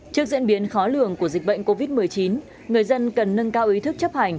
trước diễn biến khó lường của dịch bệnh covid một mươi chín người dân cần nâng cao ý thức chấp hành